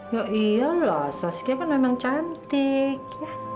ya iyalah saskia kan memang cantik